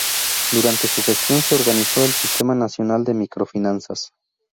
Durante su gestión se organizó el Sistema Nacional de Microfinanzas.